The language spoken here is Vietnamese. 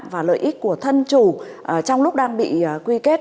và lợi ích của thân chủ trong lúc đang bị quy kết